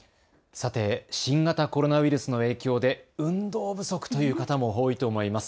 さて、新型コロナウイルスの影響で運動不足という方も多いと思います。